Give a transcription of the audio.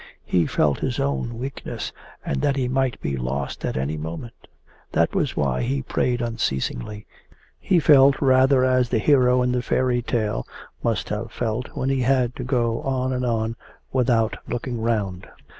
He felt his own weakness, and that he might be lost at any moment. That was why he prayed unceasingly. He felt rather as the hero in the fairy tale must have felt when he had to go on and on without looking round.